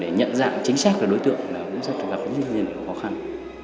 để nhận dạng chính xác đối tượng là cũng rất là khó khăn